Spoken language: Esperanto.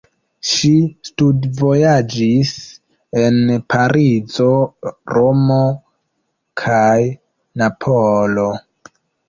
Ŝi studvojaĝis en Parizo, Romo kaj Napolo.